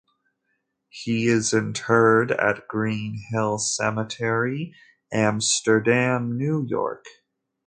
He is interred at Green Hill Cemetery, Amsterdam, New York.